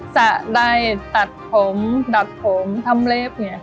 สระใดตัดผมดัดผมทำเลฟ